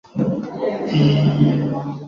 thomas aliwasaidia abiria kupanda boti ya uokoaji